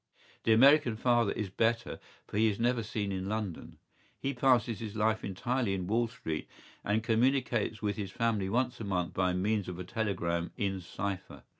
¬Ý The American father is better, for he is never seen in London.¬Ý He passes his life entirely in Wall Street and communicates with his family once a month by means of a telegram in cipher.